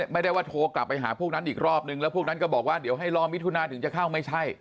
ไม่ได้ว่าโทรกลับไปหาพวกนั้นอีกรอบนึงแล้วพวกนั้นก็บอกว่าเดี๋ยวให้รอมิถุนาถึงจะเข้าไม่ใช่